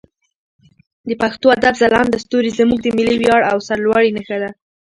د پښتو ادب ځلانده ستوري زموږ د ملي ویاړ او سرلوړي نښه ده.